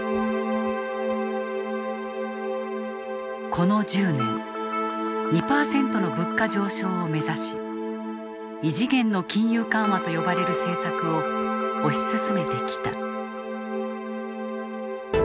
この１０年２％の物価上昇を目指し異次元の金融緩和と呼ばれる政策を推し進めてきた。